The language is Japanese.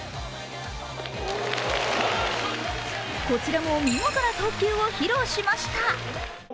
こちらも見事な投球を披露しました。